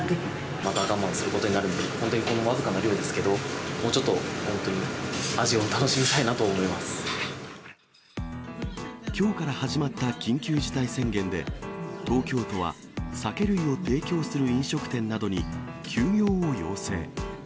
また我慢することになるので、本当に僅かな量ですけど、もうちょっと本当に、きょうから始まった緊急事態宣言で、東京都は酒類を提供する飲食店などに、休業を要請。